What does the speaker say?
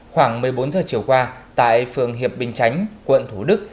khoảng một mươi bốn giờ chiều qua tại phường hiệp bình chánh quận thủ đức